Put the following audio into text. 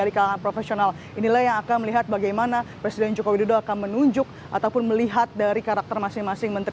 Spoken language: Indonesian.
ini adalah yang akan melihat bagaimana presiden joko widodo akan menunjuk ataupun melihat dari karakter masing masing menteri